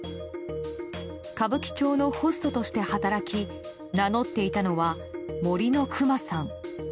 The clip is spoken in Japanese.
歌舞伎町のホストとして働き名乗っていたのは森のくまさん。